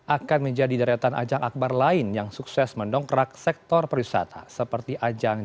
akan menjadi deretan ajang akbar lain yang sukses mendongkrak sektor perwisata seperti ajang